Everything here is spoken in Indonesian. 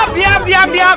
diam diam diam